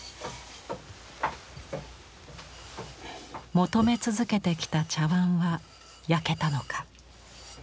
求め続けてきた茶碗は焼けたのか。